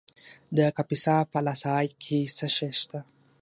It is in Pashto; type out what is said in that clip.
د کاپیسا په اله سای کې څه شی شته؟